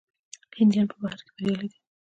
هندیان په بهر کې بریالي دي.